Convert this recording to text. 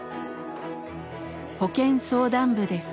保健相談部です。